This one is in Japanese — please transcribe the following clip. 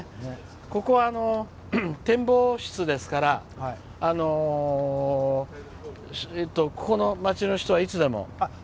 ここは展望室ですからこの街の人はいつでも。